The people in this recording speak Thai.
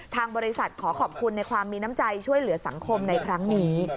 ทางบริษัทขอขอบคุณในความมีน้ำใจช่วยเหลือสังคมในครั้งนี้